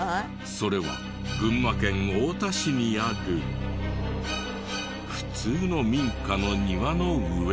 それは群馬県太田市にある普通の民家の庭の植木に。